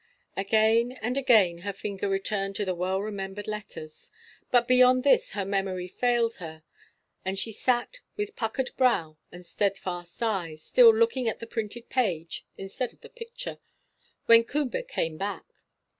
Again and again her finger returned to the well remembered letters, but beyond this her memory failed her; and she sat, with puckered brow and steadfast eyes, still looking at the printed page instead of the picture, when Coomber came back.